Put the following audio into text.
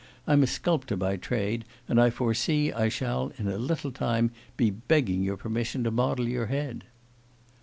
I'm a sculptor by trade, and I foresee I shall in a little time be begging your permission to model your head.